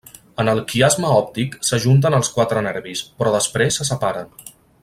En el quiasma òptic s'ajunten els quatre nervis, però després se separen.